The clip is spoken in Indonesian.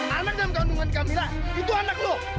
anak dan kandungan camilla itu anak lo